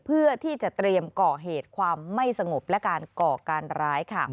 เพื่อที่จะเตรียมก่อเหตุความไม่สงบและการก่อการร้ายค่ะ